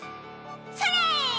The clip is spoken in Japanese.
それ！